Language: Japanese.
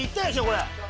これ。